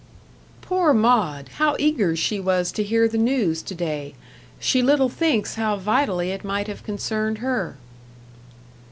"Poor Maud! how eager she was to hear the news to day. She little thinks how vitally it might have concerned her."